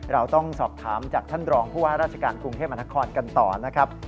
เราต้องสอบถามจากท่านรองผู้ว่าราชการกรุงเทพมนครกันต่อนะครับ